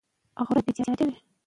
هغه د نورو خلکو د ژوند ساتنه وکړه.